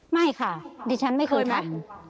ไม่ค่ะดิฉันไม่เคยทัก